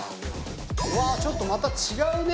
わぁちょっとまた違うね。